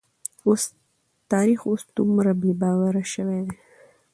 تاريخ اوس دومره بې باوره شوی دی.